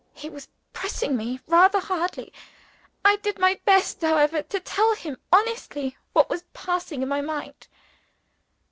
He was pressing me rather hardly. I did my best, however, to tell him honestly what was passing in my mind.